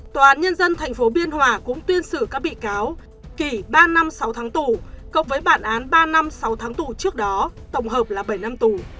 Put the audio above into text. tòa án nhân dân tp biên hòa cũng tuyên xử các bị cáo kỳ ba năm sáu tháng tù cộng với bản án ba năm sáu tháng tù trước đó tổng hợp là bảy năm tù